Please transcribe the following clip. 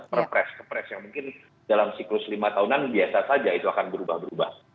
perpres kepres yang mungkin dalam siklus lima tahunan biasa saja itu akan berubah berubah